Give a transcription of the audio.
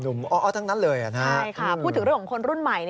พูดถึงเรื่องของคนรุ่นใหม่